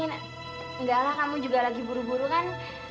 enggak lah kamu juga lagi buru buru kan